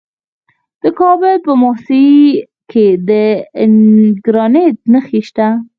د کابل په موسهي کې د ګرانیټ نښې شته.